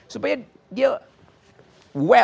supaya dia well